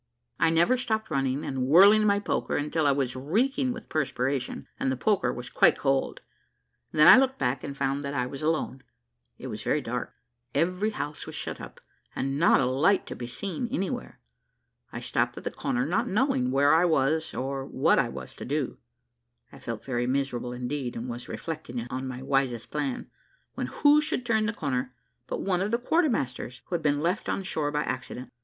I never stopped running and whirling my poker until I was reeking with perspiration, and the poker was quite cold. Then I looked back, and found that I was alone. It was very dark; every house was shut up, and not a light to be seen anywhere. I stopped at the corner, not knowing where I was, or what I was to do. I felt very miserable indeed, and was reflecting on my wisest plan, when who should turn the corner, but one of the quarter masters, who had been left on shore by accident.